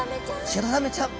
シロザメちゃん。